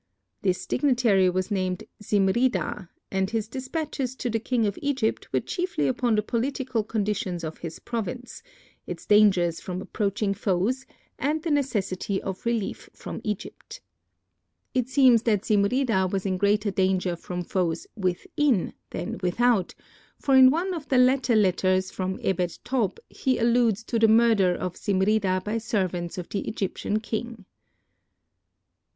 This dignitary was named Zimrida and his dispatches to the king of Egypt were chiefly upon the political conditions of his province, its dangers from approaching foes and the necessity of relief from Egypt. It seems that Zimrida was in greater danger from foes within than without, for in one of the later letters from Ebed tob, he alludes to the murder of Zimrida by servants of the Egyptian king.